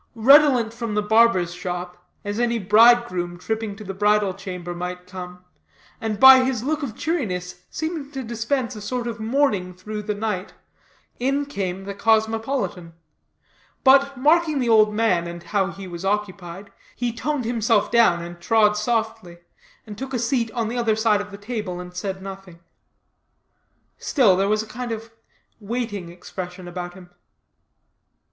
Redolent from the barber's shop, as any bridegroom tripping to the bridal chamber might come, and by his look of cheeriness seeming to dispense a sort of morning through the night, in came the cosmopolitan; but marking the old man, and how he was occupied, he toned himself down, and trod softly, and took a seat on the other side of the table, and said nothing. Still, there was a kind of waiting expression about him.